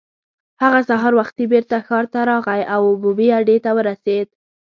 هغه سهار وختي بېرته ښار ته راغی او عمومي اډې ته ورسېد.